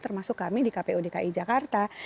termasuk kami di kpu dki jakarta